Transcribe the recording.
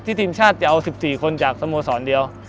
ทีมชาติจะเอา๑๔คนจากสโมสรเดียว